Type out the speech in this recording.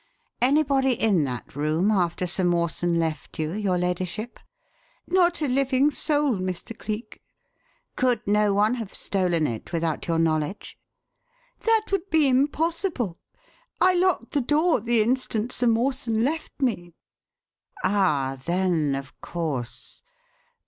Anybody in that room after Sir Mawson left you, your ladyship?" "Not a living soul, Mr. Cleek." "Could no one have stolen it without your knowledge?" "That would be impossible. I locked the door the instant Sir Mawson left me." "Ah, then, of course!